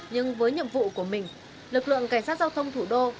nhưng với nhiệm vụ của mình lực lượng cảnh sát giao thông thủ đô